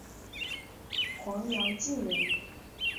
黄兆晋人。